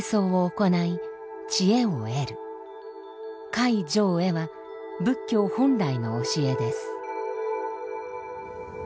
戒定慧は仏教本来の教えです。